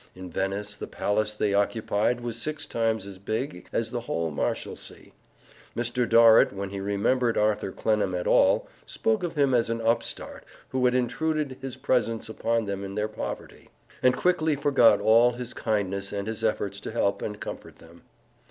In Venice the palace they occupied was six times as big as the whole Marshalsea. Mr. Dorrit, when he remembered Arthur Clennam at all, spoke of him as an upstart who had intruded his presence upon them in their poverty, and quickly forgot all his kindness and his efforts to help and comfort them.